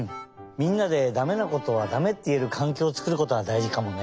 みんなでだめなことはだめっていえるかんきょうをつくることがだいじかもね。